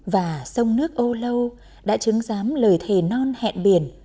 và sông nước âu lâu đã chứng giám lời thề non hẹn biển